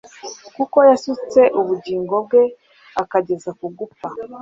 kuko yasutse ubugingo bwe akageza ku gupfa